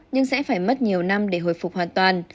nhưng sẽ phải mất nhiều năm để hồi phục hoàn toàn